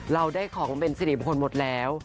เราได้ของเป็นสิริมงคลหมดแล้ว